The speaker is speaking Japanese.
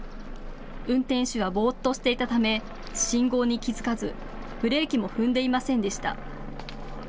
運転手はぼーっとしていたため信号に気付かずブレーキも踏んでいませんでした。